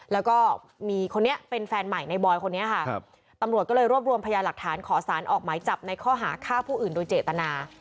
แล้วก็มีคนนี้เป็นแฟนใหม่ในบอยคนนี้ค่ะตำรวจก็เลยรวบรวมพยาหลักฐานขอสารออกหมายจับในข้อหาฆ่าผู้อื่นโดยเจตนา